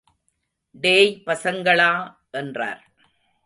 டேய் பசங்களா! என்றார்.